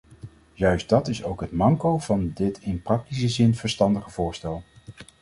Juist dat is ook het manco van dit in praktische zin verstandige voorstel.